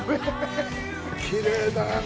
きれいだね。